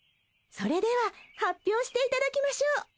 それでは発表していただきましょう。